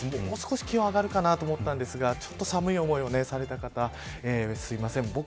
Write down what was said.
もう少し気温上がるかと思ったんですがちょっと寒い思いをされた方すいません。